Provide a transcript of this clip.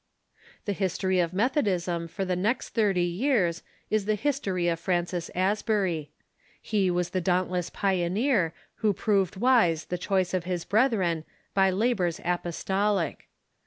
The history of Methodism for the next thirty years is the history of P^rancis Asbury. He was the dauntless pioneer who proved wise the choice of his brethren by labors apos tolic.